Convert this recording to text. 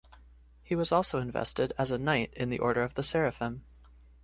He was also invested as a Knight in the Order of the Seraphim.